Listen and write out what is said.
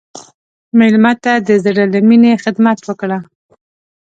مېلمه ته د زړه له میني خدمت وکړه.